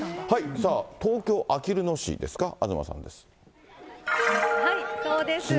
東京・あきる野市ですか、東はい、そうです。